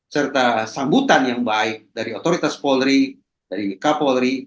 serta sambutan yang baik dari otoritas polri dari kapolri